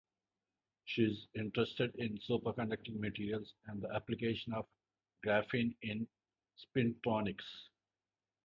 She is interested in superconducting materials and the application of graphene in spintronics.